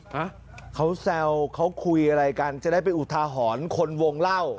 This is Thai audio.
หาเขาแซวเขาคุยอะไรกันเจอได้อุทหะหอนคนวงเล่า